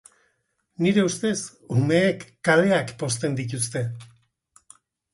Nire ustez, umeek kaleak pozten dituzte.